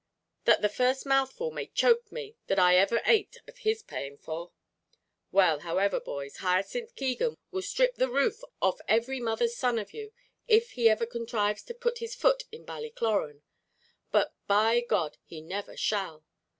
"That the first mouthful may choke me that I ever ate of his paying for!" "Well, however, boys, Hyacinth Keegan will sthrip the roof off every mother's son of you if he ever conthrives to put his foot in Ballycloran; but, by God, he never shall!